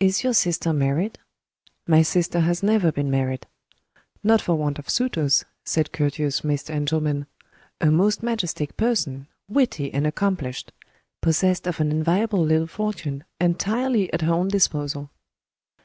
"Is your sister married?" "My sister has never been married." "Not for want of suitors," said courteous Mr. Engelman. "A most majestic person. Witty and accomplished. Possessed of an enviable little fortune, entirely at her own disposal."